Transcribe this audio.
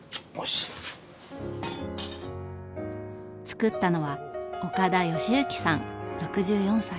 つくったのは岡田吉之さん６４歳。